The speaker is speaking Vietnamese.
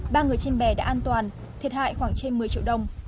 ba người trên bè đã an toàn thiệt hại khoảng trên một mươi triệu đồng